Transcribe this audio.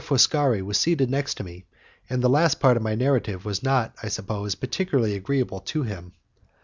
Foscari was seated next to me, and the last part of my narrative was not, I suppose, particularly agreeable to him.